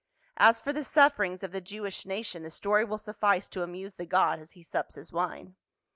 As for the suffer ings of the Jewish nation, the story will suffice to amuse the god as he sups his wine."